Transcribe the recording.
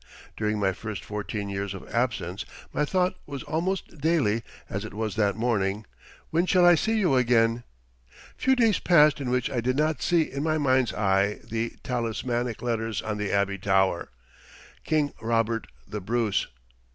During my first fourteen years of absence my thought was almost daily, as it was that morning, "When shall I see you again?" Few days passed in which I did not see in my mind's eye the talismanic letters on the Abbey tower "King Robert The Bruce."